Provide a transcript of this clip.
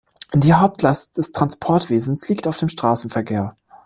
Die Hauptlast des Transportwesens liegt auf dem Straßenverkehr.